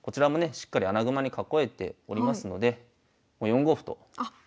しっかり穴熊に囲えておりますので４五歩とあっここで。